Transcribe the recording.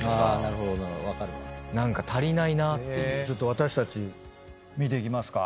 私たち見ていきますか。